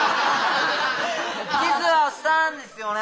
キスはしたんですよね？